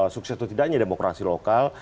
sukses atau tidaknya demokrasi lokal